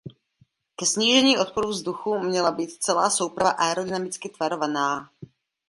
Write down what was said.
Ke snížení odporu vzduchu měla být celá souprava aerodynamicky tvarovaná.